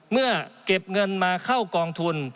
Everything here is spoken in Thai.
เมื่อเก็บเงินมาเข้ากองทุน